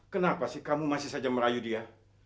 kenapa sih kamu masih saja merayu dia